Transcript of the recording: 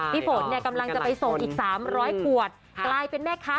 พี่ฝนเนี่ยกำลังจะไปส่งอีก๓๐๐ขวดกลายเป็นแม่ค้า